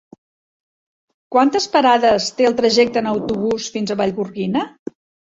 Quantes parades té el trajecte en autobús fins a Vallgorguina?